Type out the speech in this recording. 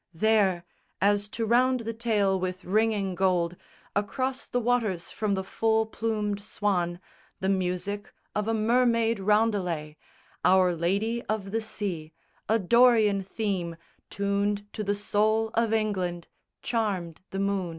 There, as to round the tale with ringing gold, Across the waters from the full plumed Swan The music of a Mermaid roundelay Our Lady of the Sea, a Dorian theme Tuned to the soul of England charmed the moon.